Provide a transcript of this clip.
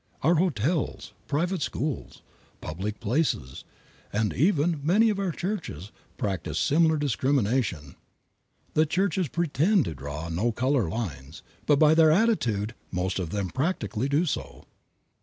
Our hotels, private schools, public places, and even many of our churches, practice similar discrimination. The churches pretend to draw no color lines, but by their attitude most of them practically do so.